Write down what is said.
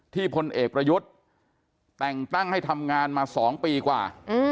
พลเอกประยุทธ์แต่งตั้งให้ทำงานมา๒ปีกว่า